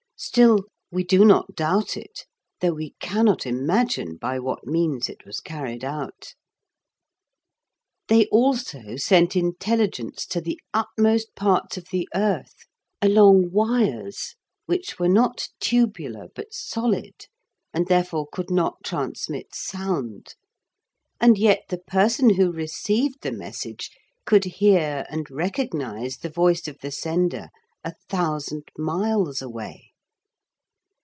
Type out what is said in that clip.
Still, we do not doubt it, though we cannot imagine by what means it was carried out. They also sent intelligence to the utmost parts of the earth along wires which were not tubular, but solid, and therefore could not transmit sound, and yet the person who received the message could hear and recognise the voice of the sender a thousand miles away.